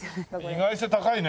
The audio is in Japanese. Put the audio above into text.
意外性高いね。